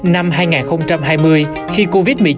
năm hai nghìn hai mươi khi covid một mươi chín